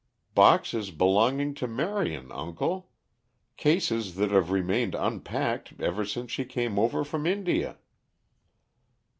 "Boxes belonging to Marion, uncle. Cases that have remained unpacked ever since she came over from India."